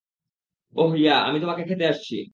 ওহ yeah, আমি তোমাকে খেতে আসছি।